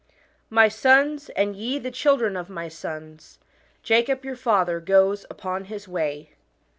My sons, and ye the children of my sons, Jacob your father goes upon his ; ay."